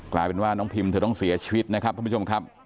คุณแม่ของน้องพิมเธอต้องเสียชีวิตนะครับท่านผู้ชมครับ